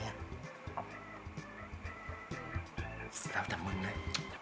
แล้วแต่มึงเนี่ย